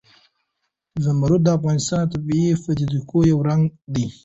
زمرد د افغانستان د طبیعي پدیدو یو رنګ دی.